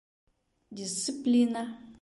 Дисциплина